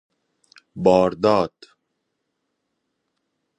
بارداد